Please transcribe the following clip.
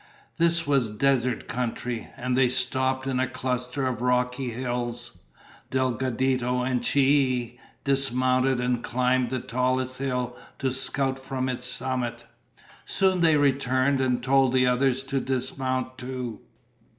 This was desert country, and they stopped in a cluster of rocky hills. Delgadito and Chie dismounted and climbed the tallest hill to scout from its summit. Soon they returned and told the others to dismount too.